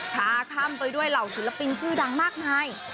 ท่าข้ามไปด้วยเหล่าศิลปินชื่อดังมากมาย